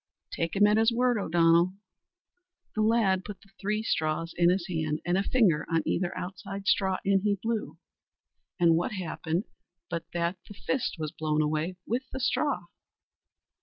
"Take him at his word, O'Donnell." The lad put the three straws on his hand, and a finger on either outside straw and he blew; and what happened but that the fist was blown away with the straw.